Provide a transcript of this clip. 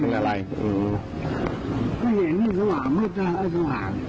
ก็เห็นมืดสว่างมืดสว่าง